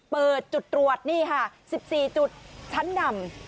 เปิดจุดตรวจ๑๔จุดชั้นดำ